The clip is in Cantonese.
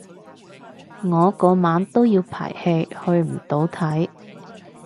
我嗰晚都要排戲去唔到睇